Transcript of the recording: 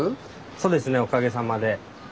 そうですねおかげさまで。